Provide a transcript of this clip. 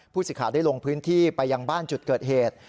สิทธิ์ได้ลงพื้นที่ไปยังบ้านจุดเกิดเหตุ